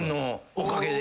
おかげで？